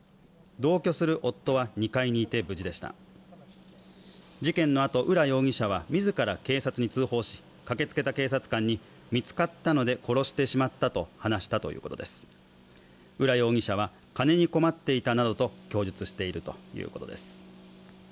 同居する夫は２階にいて無事でした事件のあと浦容疑者は自ら警察に通報し駆けつけた警察官に見つかったので殺してしまったと話したということです浦容疑者は金に困っていたなどと供述しているということです